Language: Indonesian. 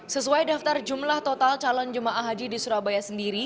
sesuai daftar jumlah total calon jemaah haji di surabaya sendiri